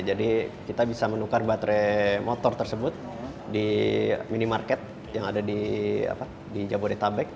jadi kita bisa menukar baterai motor tersebut di minimarket yang ada di jabodetabek